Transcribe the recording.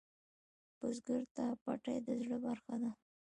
بزګر ته پټی د زړۀ برخه ده